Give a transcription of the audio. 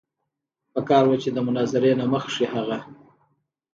پکار وه چې د مناظرې نه مخکښې هغه